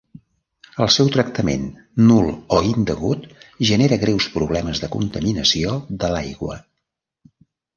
El seu tractament nul o indegut genera greus problemes de contaminació de l'aigua.